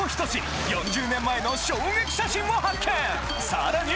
さらに！